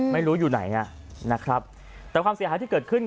ไม่รู้อยู่ไหนอ่ะนะครับแต่ความเสียหายที่เกิดขึ้น